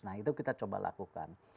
nah itu kita coba lakukan